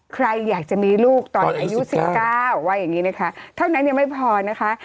ใครอยากจะมีลูกตอนอายุ๑๙ว่าอย่างนี้นะคะเท่านั้นยังไม่พอนะคะ